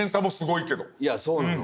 いやそうなの。